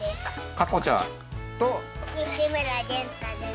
佳子ちゃんと西村元汰です